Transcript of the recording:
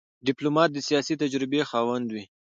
ډيپلومات د سیاسي تجربې خاوند وي.